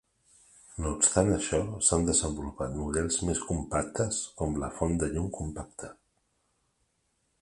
No obstant això, s'han desenvolupat models més compactes, com la Font de Llum Compacta.